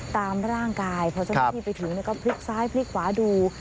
ตามร่างกายพอเจ้าหน้าที่ไปถึงก็พลิกซ้ายพลิกขวาดู